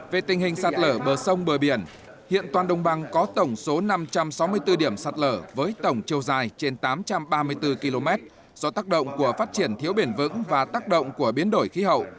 về tình hình sạt lở bờ sông bờ biển hiện toàn đồng bằng có tổng số năm trăm sáu mươi bốn điểm sạt lở với tổng chiều dài trên tám trăm ba mươi bốn km do tác động của phát triển thiếu biển vững và tác động của biến đổi khí hậu